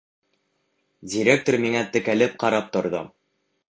Директор миңә текәлеп ҡарап торҙо.